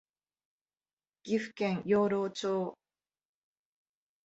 岐阜県養老町